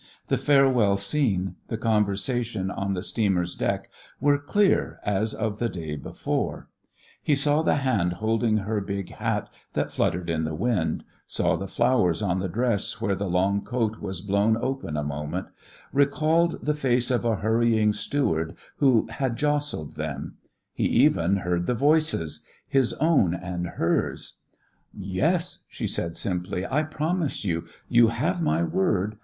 The farewell scene, the conversation on the steamer's deck, were clear as of the day before. He saw the hand holding her big hat that fluttered in the wind, saw the flowers on the dress where the long coat was blown open a moment, recalled the face of a hurrying steward who had jostled them; he even heard the voices his own and hers: "Yes," she said simply; "I promise you. You have my word.